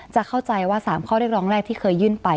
จะเข้าใจว่า๓ข้อเรียกร้องแรกที่เคยยื่นไป